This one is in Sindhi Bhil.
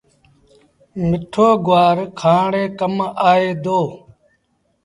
مٺو گُوآر کآڻ ري ڪم آئي دو۔